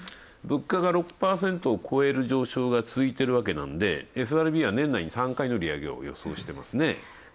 物価が６％を超える上昇が続いているわけなんで、ＦＲＢは売り上げを予想してますね。